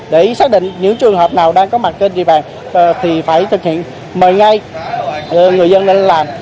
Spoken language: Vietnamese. để xác định những trường hợp nào đang có mặt trên địa bàn thì phải thực hiện mời ngay người dân lên làm